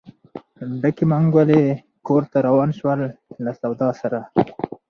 ډکې منګولې کور ته روان شول له سودا سره.